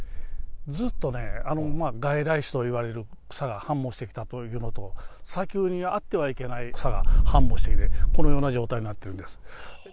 ずっとね、外来種といわれる草が繁茂してきたというのと、砂丘にあってはいけない草が繁茂して、このような状態になっているんです。